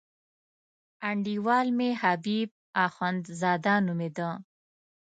انډیوال مې حبیب اخندزاده نومېده.